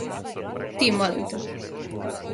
Ти, молим те.